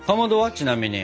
ちなみに。